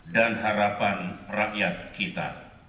dan harapan rakyat kita